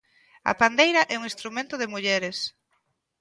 A pandeira é un instrumento de mulleres.